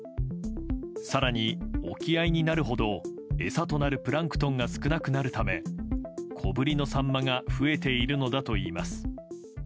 更に、沖合になるほど餌となるプランクトンが少なくなるため小ぶりのサンマが増えているのだといいます。